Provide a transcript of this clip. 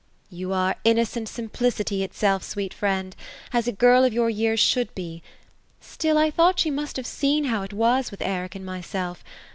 ^ You are innocent simplicity itself, sweet friend ; as a girl of your years should be. Still, I thought you must have seen hov it was with Eric and myself.